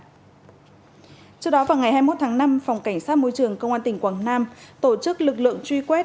trước đó vào ngày hai mươi một tháng năm phòng cảnh sát môi trường công an tỉnh quảng nam tổ chức lực lượng truy quét